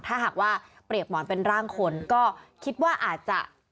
ถ้าหากว่าเปรียบหมอนเป็นร่างคนก็คิดว่าอาจจะ